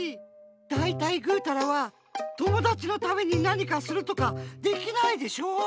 だいたいぐうたらは友だちのためになにかするとかできないでしょ？